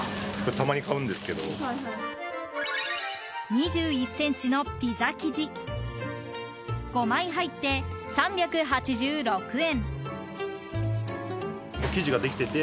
２１ｃｍのピザ生地５枚入って３８６円。